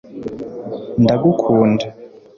ndagukunda